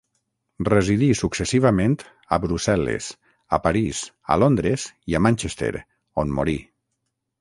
Residí successivament, a Brussel·les, a París, a Londres i a Manchester on morí.